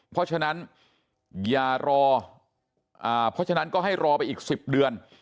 เพราะฉะนั้นก็ให้รอไปอีก๑๐เดือน